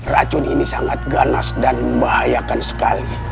racun ini sangat ganas dan membahayakan sekali